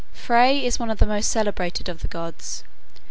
Frey is one of the most celebrated of the gods.